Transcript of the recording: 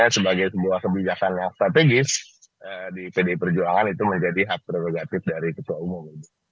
sebagai sebuah kebijakan yang strategis di pdi perjuangan itu menjadi hak prerogatif dari ketua umum